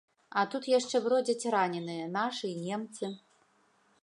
А тут яшчэ бродзяць раненыя, нашы і немцы.